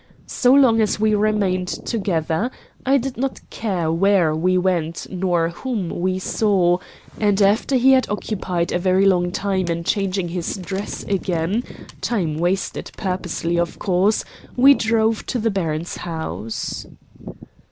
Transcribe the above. So long as we remained together, I did not care where we went nor whom we saw; and after he had occupied a very long time in changing his dress again time wasted purposely, of course we drove to the baron's house.